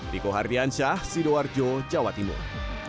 riko hardiansyah sidoarjo jawa timur